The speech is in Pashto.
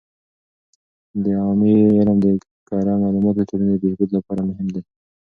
د عوامي علم د کره معلوماتو د ټولنې د بهبود لپاره مهم دی.